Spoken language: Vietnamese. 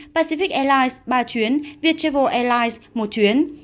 pacific airlines ba chuyến viettravel airlines một chuyến